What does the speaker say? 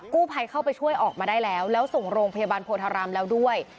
กู้ภัยเข้าไปช่วยออกมาได้แล้วแล้วส่งโรงพยาบาลโพธารามแล้วด้วย